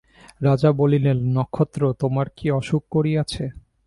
রাজা বলিলেন, নক্ষত্র, তোমার কি অসুখ করিয়াছে?